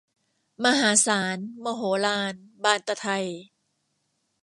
มหาศาล มโหฬาร บานตะไท